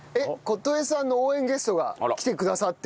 琴絵さんの応援ゲストが来てくださっている。